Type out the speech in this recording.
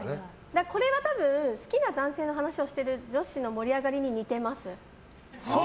これは多分好きな男性の話をしてる女子の盛り上がりに似てます。